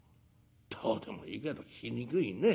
「どうでもいいけど聞きにくいね。